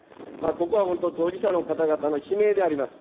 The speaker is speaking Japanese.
ここは本当、当事者の方々の悲鳴であります。